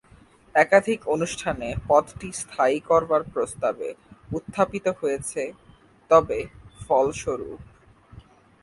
একাধিক অনুষ্ঠানে পদটি স্থায়ী করার প্রস্তাব উত্থাপিত হয়েছে, তবে ফলস্বরূপ।